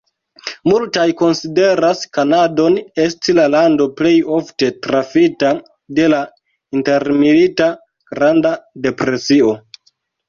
Multaj konsideras Kanadon esti la lando plej forte trafita de la intermilita Granda depresio.